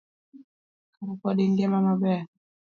Kare pod ingima maber.